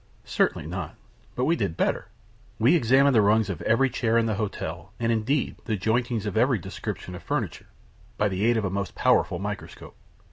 "Certainly not; but we did better we examined the rungs of every chair in the hotel, and, indeed, the jointings of every description of furniture, by the aid of a most powerful microscope.